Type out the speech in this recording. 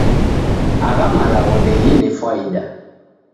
Agha malagho ndeghine fwaida